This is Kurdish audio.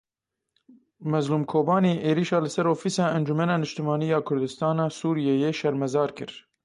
Mezlûm Kobanî êrişa li ser ofîsa Encumena Niştimanî ya Kurdistana Sûriyeyê şermezar kir.